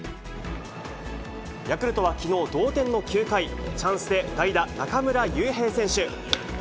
ヤクルトはきのう、同点の９回、チャンスで代打、中村悠平選手。